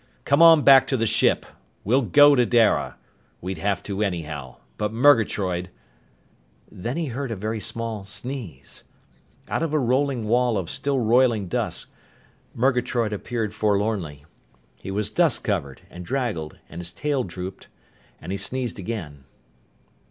Come on back to the ship. We'll go to Dara. We'd have to, anyhow. But Murgatroyd " Then he heard a very small sneeze. Out of a rolling wall of still roiling dust, Murgatroyd appeared forlornly. He was dust covered, and draggled, and his tail dropped, and he sneezed again.